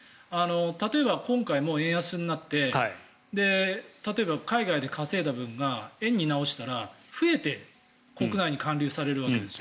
例えば、今回も円安になって例えば、海外で稼いだ分が円に直したら増えて国内に還流されるわけです。